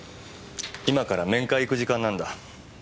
今から面会行く時間なんだ。